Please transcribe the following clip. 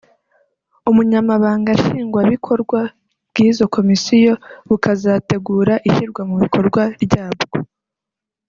ubunyamabanga Nshingwabikorwa bw’izo komisiyo bukazategura ishyirwa mu bikorwa ryabwo